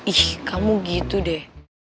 ih kamu gitu deh